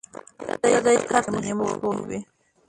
ـ پردى کټ تر نيمو شپو وي.